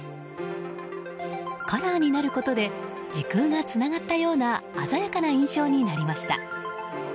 カラーになることで時空がつながったような鮮やかな印象になりました。